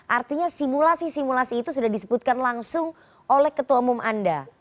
artinya simulasi simulasi itu sudah disebutkan langsung oleh ketua umum anda